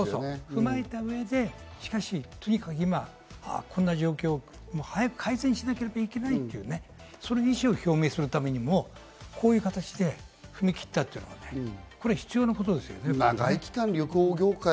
踏まえた上で、こんな状況を早く改善しなければいけないというね、そういう意思を表明するためにもこういう形で踏み切ったというのはこれは必要なことですよ。